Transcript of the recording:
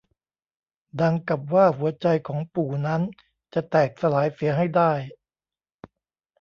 ดังกับว่าหัวใจของปู่นั้นจะแตกสลายเสียให้ได้